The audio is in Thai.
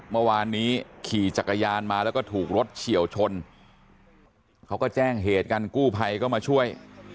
เมื่อวานนี้ขี่จักรยานมาแล้วก็ถูกรถเฉียวชนเขาก็แจ้งเหตุกันกู้ภัยก็มาช่วย